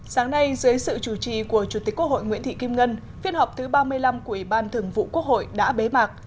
sáng nay dưới sự chủ trì của chủ tịch quốc hội nguyễn thị kim ngân phiên họp thứ ba mươi năm của ủy ban thường vụ quốc hội đã bế mạc